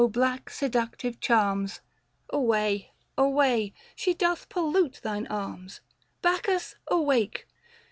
black seductive charms ! Away, away ; she doth pollute thiue arms. Bacchus,, awake